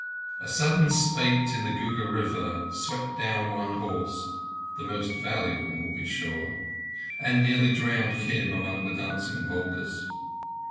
A sudden spate in the Gugger River swept down one horse (the most valuable, be sure), and nearly drowned Kim among the dancing boulders.